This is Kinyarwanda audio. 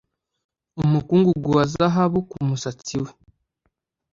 umukungugu wa zahabu ku musatsi we